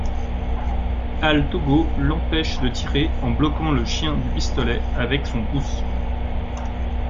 Al'Togo l'empêche de tirer en bloquant le chien du pistolet avec son pouce.